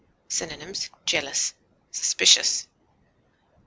Synonyms: jealous, suspicious.